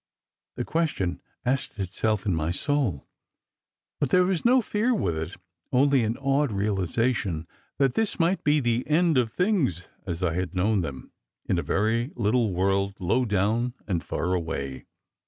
The question asked itself in my soul. But there was no fear with it, only an awed realization that this might be the end of things, as I had known them, in a very little world low down and far away.